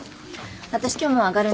私今日もう上がるね。